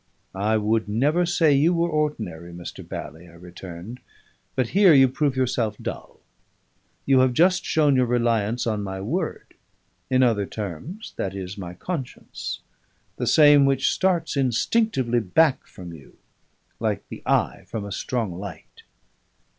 "I would never say you were ordinary, Mr. Bally," I returned; "but here you prove yourself dull. You have just shown your reliance on my word in other terms, that is, my conscience the same which starts instinctively back from you, like the eye from a strong light."